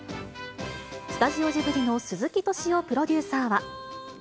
スタジオジブリの鈴木敏夫プロデューサーは。